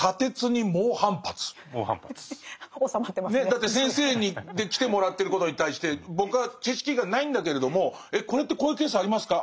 だって先生に来てもらってることに対して僕は知識がないんだけれども「これってこういうケースありますか？